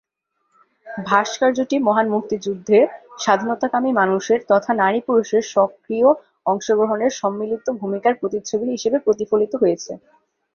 ভাস্কর্যটি মহান মুক্তিযুদ্ধে স্বাধীনতাকামী মানুষের তথা নারী-পুরুষের সক্রিয় অংশগ্রহণের সম্মিলিত ভূমিকার প্রতিচ্ছবি হিসেবে প্রতিফলিত হয়েছে।